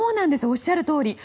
おっしゃるとおり！